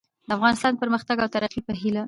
د افغانستان د پرمختګ او ترقي په هیله